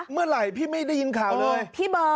เมื่อไหร่พี่ไม่ได้ยินข่าวเลย